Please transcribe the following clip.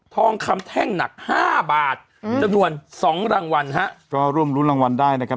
ทองคำแท่งหนักห้าบาทอืมจำนวนสองรางวัลฮะก็ร่วมรุ้นรางวัลได้นะครับ